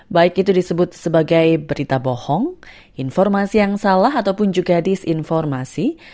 baik itu disebut sebagai berita bohong informasi yang salah ataupun juga disinformasi